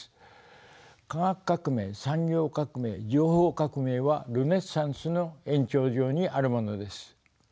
科学革命産業革命情報革命はルネサンスの延長上にあるものです。